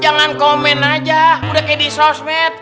jangan komen aja udah kayak di sosmed